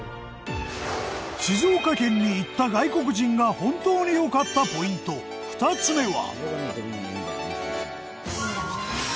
静岡県に行った外国人が本当に良かったポイント２つ目は。